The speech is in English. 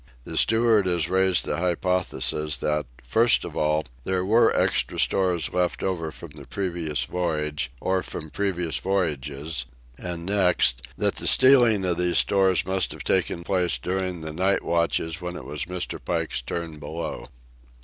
The steward has raised the hypothesis that, first of all, there were extra stores left over from the previous voyage, or from previous voyages, and, next, that the stealing of these stores must have taken place during the night watches when it was Mr. Pike's turn below.